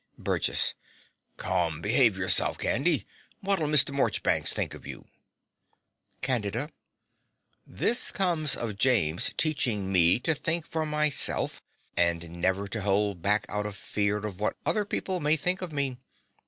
BURGESS. Come: be'ave yourself, Candy. What'll Mr. Morchbanks think of you? CANDIDA. This comes of James teaching me to think for myself, and never to hold back out of fear of what other people may think of me.